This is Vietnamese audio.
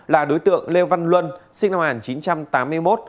là đối tượng lê văn luân sinh năm một nghìn chín trăm tám mươi một